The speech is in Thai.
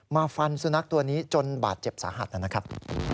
ฟันสุนัขตัวนี้จนบาดเจ็บสาหัสนะครับ